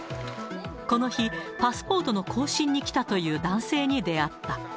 この日、パスポートの更新に来たという男性に出会った。